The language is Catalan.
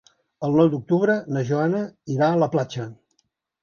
El nou d'octubre na Joana irà a la platja.